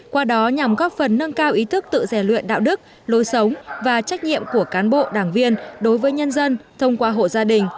qua đó nhằm góp phần nâng cao ý thức tự giải luyện đạo đức lối sống và trách nhiệm của cán bộ đảng viên đối với nhân dân thông qua hộ gia đình